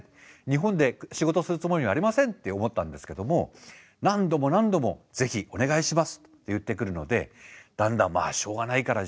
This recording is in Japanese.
日本で仕事するつもりはありませんって思ったんですけども何度も何度もぜひお願いしますって言ってくるのでだんだんまあしょうがないかな。